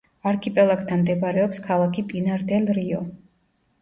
არქიპელაგთან მდებარეობს ქალაქი პინარ-დელ-რიო.